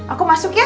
aku masuk ya